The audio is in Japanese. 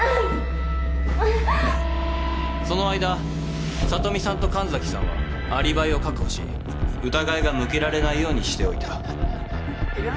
その間聡美さんと神崎さんはアリバイを確保し疑いが向けられないようにしておいた。